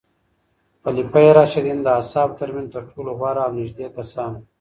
خلفای راشدین د اصحابو ترمنځ تر ټولو غوره او نږدې کسان وو.